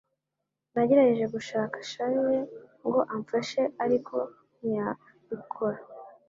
Nagerageje gushaka Charles ngo amfashe ariko ntiyabikora